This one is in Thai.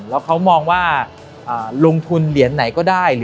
แล้วเขามองว่าลงทุนเหรียญไหนก็ได้